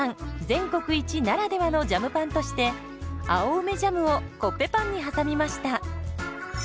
全国一ならではのジャムパンとして青梅ジャムをコッペパンに挟みました。